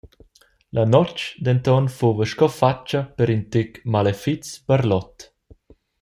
La notg denton fuva sco fatga per in tec malefiz barlot.